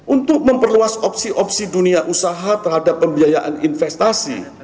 untuk memperluas opsi opsi dunia usaha terhadap pembiayaan investasi